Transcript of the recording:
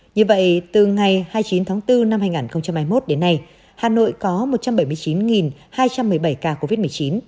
như vậy từ ngày hai mươi chín tháng bốn năm hai nghìn hai mươi một đến nay hà nội có một trăm bảy mươi chín hai trăm một mươi bảy ca covid một mươi chín